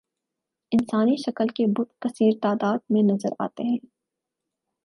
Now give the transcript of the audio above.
انسانی شکل کے بت کثیر تعداد میں نظر آتے ہیں